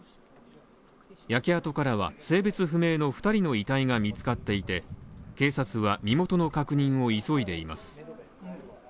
焼け跡からは性別不明の２人の遺体が見つかっていて、警察は身元の確認を急いでいます。